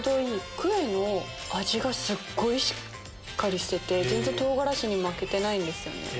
クエの味がすっごいしっかりしてて全然唐辛子に負けてないんですよね。